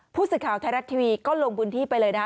พูดสิทธิ์ข่าวไทยรัฐทีวีก็ลงบุญที่ไปเลยนะ